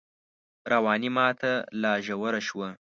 رواني ماته لا ژوره شوه